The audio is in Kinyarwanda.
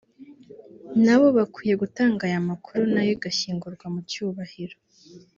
nabo bakwiye gutanga aya makuru nayo igashyingurwa mu cyubahiro